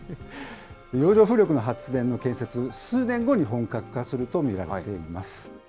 洋上風力の発電の建設、数年後に本格化すると見られています。